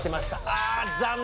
あ残念！